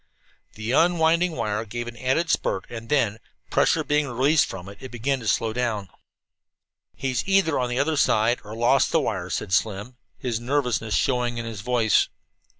The unwinding wire gave an added spurt, and then, pressure being released from it, it began to slow down. "He's either on the other side, or lost the wire," said Slim, his nervousness showing in his voice.